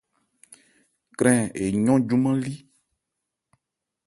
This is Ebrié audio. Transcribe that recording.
Krɛn eyɔ́n júmán-lí.